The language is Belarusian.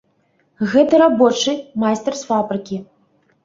Гэта рабочы, майстар з фабрыкі.